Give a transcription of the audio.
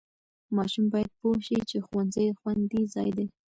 ماشوم باید پوه شي چې ښوونځي خوندي ځای دی.